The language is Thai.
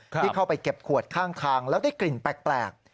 ที่เข้าไปเก็บขวดข้างทางแล้วได้กลิ่นแปลก